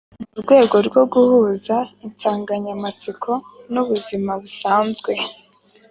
Mu rwego rwo guhuza insanganyamatsiko n’ubuzima busanzwe